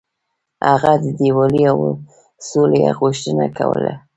هغه د یووالي او سولې غوښتنه کوله.